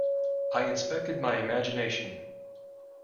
I inspected my imagination.